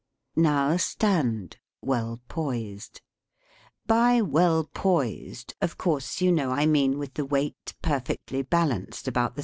Now stand, well poised. By well poised, of course you know I mean \ with the weight perfectly balanced about the